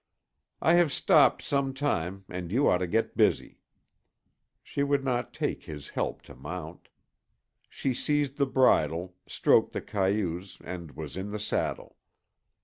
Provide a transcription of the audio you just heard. "I have stopped some time and you ought to get busy." She would not take his help to mount. She seized the bridle, stroked the cayuse, and was in the saddle.